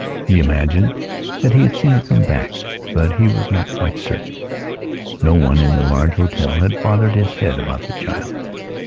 He imagined that he had seen her come back, but he was not quite certain. No one in the large hotel had bothered his head about the child.